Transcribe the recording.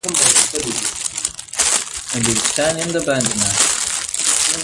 که ښځه کار وکړي، نو کورنۍ ته نوې عاید سرچینې پیدا کوي.